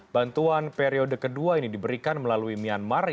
bantuan periode kedua ini diberikan melalui myanmar